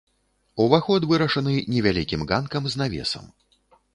Уваход вырашаны невялікім ганкам з навесам.